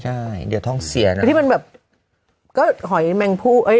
ใช่เดี๋ยวท้องเสียนะที่มันแบบก็หอยแมงผู้เอ้ย